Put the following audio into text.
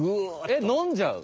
えっ飲んじゃう？